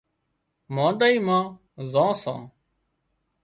مانۮائي مان زان سان